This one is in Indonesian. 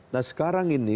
nah sekarang ini